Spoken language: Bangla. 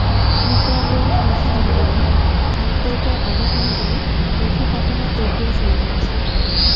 মোকাররম হোসেন বলেন, হাইকোর্টের আদেশ অনুযায়ী নথি পাঠানোর প্রক্রিয়া শুরু হয়েছে।